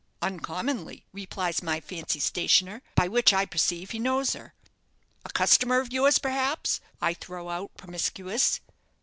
'Uncommonly,' replies my fancy stationer, by which I perceive he knows her. 'A customer of yours, perhaps?' I throw out, promiscuous.